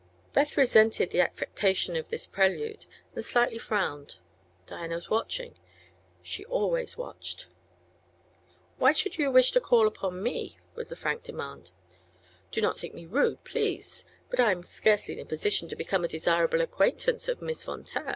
Beth resented the affectation of this prelude, and slightly frowned. Diana was watching; she always watched. "Why should you wish to call upon me?" was the frank demand. "Do not think me rude, please; but I am scarcely in a position to become a desirable acquaintance of Miss Von Taer."